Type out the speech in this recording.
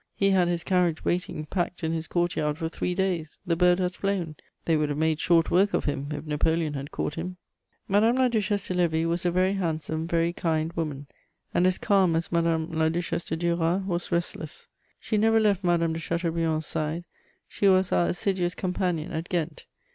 He had his carriage waiting packed in his court yard for three days: the bird has flown. They would have made short work of him, if Napoleon had caught him!" Madame la Duchesse de Lévis was a very handsome, very kind woman, and as calm as Madame la Duchesse de Duras was restless. She never left Madame de Chateaubriand's side; she was our assiduous companion at Ghent.